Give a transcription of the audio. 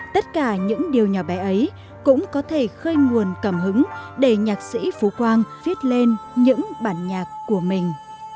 tất cả những điều nhỏ bé ấy cũng có thể khơi nguồn cảm hứng để nhạc sĩ phú quang viết lên những bản nhạc của mình